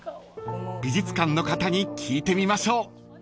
［美術館の方に聞いてみましょう］